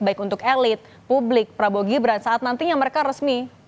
baik untuk elit publik prabowo gibran saat nantinya mereka resmi